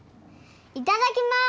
いただきます！